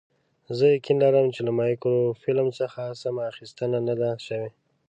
زه یقین لرم چې له مایکروفیلم څخه سمه اخیستنه نه ده شوې.